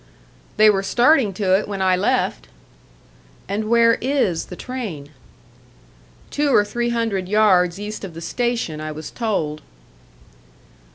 "They were starting to it when I left." "And where is the train?" "Two or three hundred yards east of the station, I was told."